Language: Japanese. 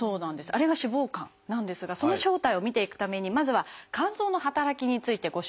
あれが脂肪肝なんですがその正体を見ていくためにまずは肝臓の働きについてご紹介しようと思います。